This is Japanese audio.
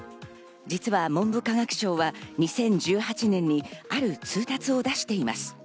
実は文部科学省は２０１８年にある通達を出しています。